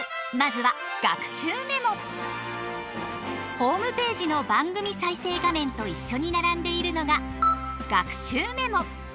ホームページの番組再生画面と一緒に並んでいるのが「学習メモ」。